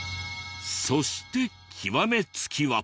そして極めつきは。